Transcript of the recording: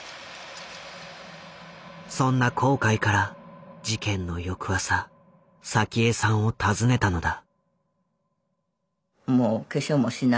そんな後悔から事件の翌朝早紀江さんを訪ねたのだ。